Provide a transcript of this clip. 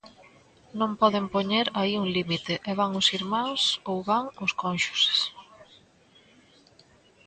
Non poden poñer aí un límite e van os irmáns ou van os cónxuxes.